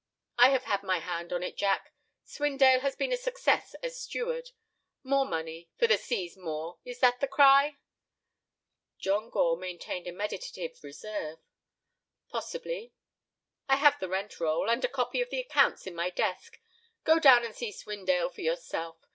"I have had my hand on it, Jack. Swindale has been a success as steward. More money—for the sea's maw. Is that the cry?" John Gore maintained a meditative reserve. "Possibly." "I have the rent roll—and a copy of the accounts in my desk. Go down and see Swindale for yourself.